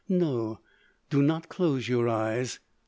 "No!—do not close your eyes.